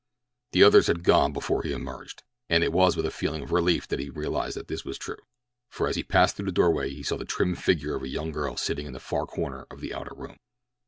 The others had gone before he emerged, and it was with a feeling of relief that he realized that this was true, for as he passed through the doorway he saw the trim figure of a young girl sitting in the far corner of the outer room.